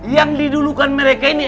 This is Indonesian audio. yang didulukan mereka ini